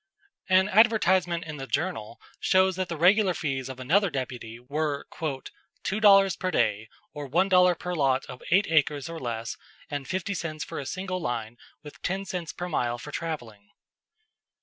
An advertisement in the "Journal" shows that the regular fees of another deputy were "two dollars per day, or one dollar per lot of eight acres or less, and fifty cents for a single line, with ten cents per mile for traveling."